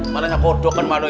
maksudnya kodok kan malu ya